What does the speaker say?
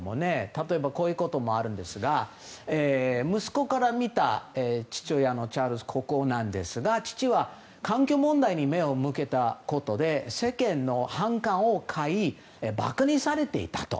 例えばこういうこともあるんですが息子から見た父親のチャールズ国王ですが父は環境問題に目を向けたことで世間の反感を買い馬鹿にされていたと。